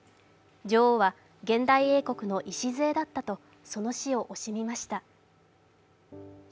女王は現代英国の礎だったとその死を惜しみました。